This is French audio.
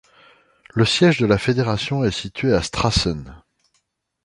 Le siège de la fédération est situé à Strassen.